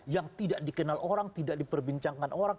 yang tidak dikenal orang tidak diperbincangkan orang